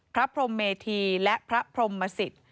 พระพรมเมธีและพระพรหมสิต